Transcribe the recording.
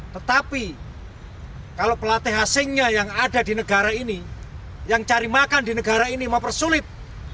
tetapi kalau pelatih asingnya yang ada di negara ini yang cari makan di negara ini mempersulit